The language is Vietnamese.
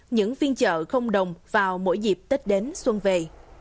những phiên chợ không đồng vào mỗi dịp tết đến xuân về